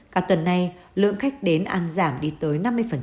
cả tuần nay lượng khách đến ăn giảm đi tới năm mươi